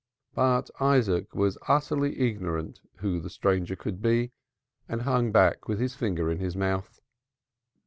But Isaac was utterly ignorant who the stranger could be and hung back with his finger in his mouth.